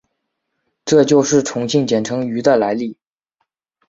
这就是重庆简称渝的来历。